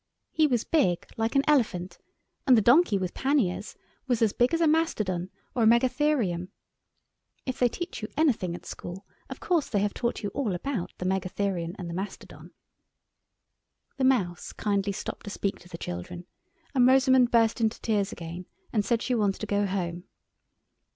He was big like an elephant, and the donkey with panniers was as big as a mastodon or a megatherium. (If they teach you anything at school of course they have taught you all about the megatherium and the mastodon.) The Mouse kindly stopped to speak to the children, and Rosamund burst into tears again and said she wanted to go home.